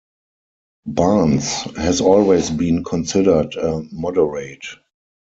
Barnes has always been considered a moderate.